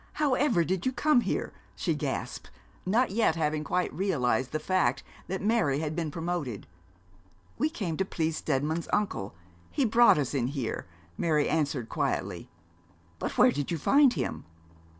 how ever did you come here?' she gasped, not yet having quite realised the fact that Mary had been promoted. 'We came to please Steadman's uncle he brought us in here,' Mary answered, quietly. 'But where did you find him?'